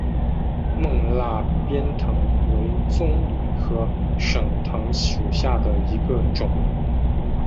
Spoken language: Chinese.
勐腊鞭藤为棕榈科省藤属下的一个种。